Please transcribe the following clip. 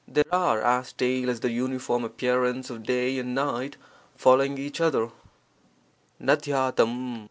They are as stale as the uniform appearance of day and night following each other] 45.